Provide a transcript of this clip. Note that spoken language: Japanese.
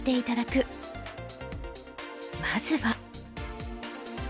まずは。